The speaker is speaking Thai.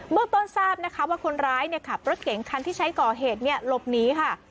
เมื่อต้นทราบนะคะว่าคนร้ายเนี่ยค่ะรถเก๋งคันที่ใช้ก่อเหตุเนี่ยหลบหนีค่ะ